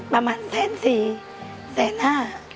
ประมาณแสนสี่แสนห้า